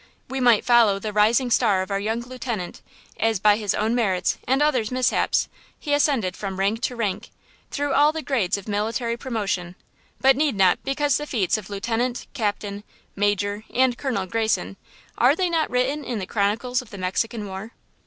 We might follow the rising star of our young lieutenant, as by his own merits and others' mishaps he ascended from rank to rank, through all the grades of military promotion, but need not because the feats of Lieutenant–Captain–Major and Colonel Greyson, are they not written in the chronicles of the Mexican War?